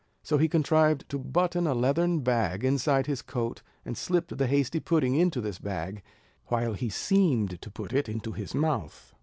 So he contrived to button a leathern bag inside his coat, and slipped the hasty pudding into this bag, while he seemed to put it into his mouth.